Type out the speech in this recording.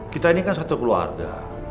kita ini kan satu keluarga